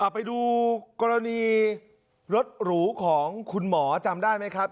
ไปดูกรณีรถหรูของคุณหมอจำได้ไหมครับ